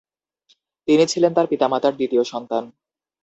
তিনি ছিলেন তার পিতামাতার দ্বিতীয় সন্তান।